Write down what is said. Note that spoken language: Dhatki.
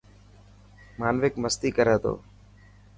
مانوڪ مستي ڪر تو.